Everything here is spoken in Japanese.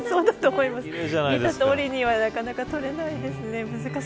見た通りにはなかなか撮れないですね。